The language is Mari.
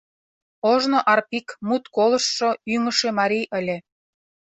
Ожно Арпик мут колыштшо, ӱҥышӧ марий ыле.